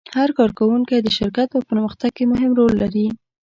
هر کارکوونکی د شرکت په پرمختګ کې مهم رول لري.